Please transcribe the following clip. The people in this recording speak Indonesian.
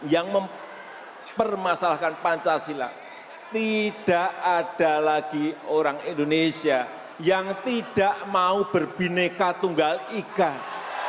yang mempermasalahkan pancasila tidak ada lagi orang indonesia yang tidak mau berbineka tunggal ikan